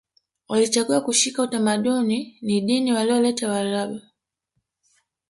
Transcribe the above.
Walichagua kushika utamaduni ni dini walioleta waarabu